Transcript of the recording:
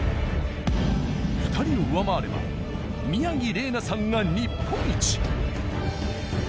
２人を上回れば宮城麗菜さんが日本一。